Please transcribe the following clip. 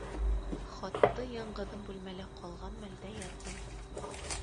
Хатты яңғыҙым бүлмәлә ҡалған мәлдә яҙҙым.